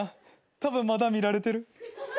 たぶんまだ見られてる。